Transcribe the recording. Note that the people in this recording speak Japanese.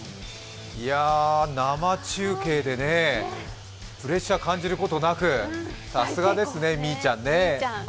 生中継でプレッシャー感じることなくさすがですね、みーちゃん。